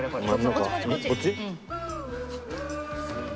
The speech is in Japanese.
こっち？